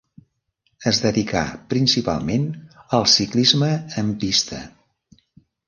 Es dedicà principalment al ciclisme en pista.